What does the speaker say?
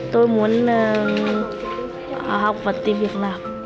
tôi muốn học và tìm việc làm